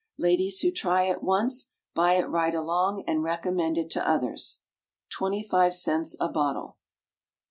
Ladies who try it once buy it right along, and recommend it to others. Twenty five cents a bottle.